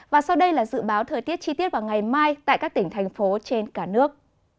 và sau đây là dự báo thời tiết chi tiết vào ngày mai tại các tỉnh thành phố trên cả nước